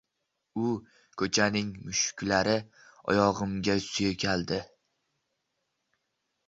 U ko’chaning mushuklari oyog’imga suykaldi.